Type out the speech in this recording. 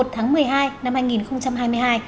một mươi một tháng một mươi hai năm hai nghìn hai mươi hai